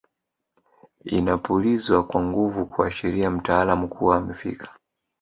Inapulizwa kwa nguvu kuashiria mtaalamu kuwa amefika